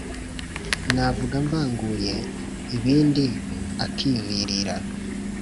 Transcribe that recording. Navuga mvanguye Ibindi akivirira.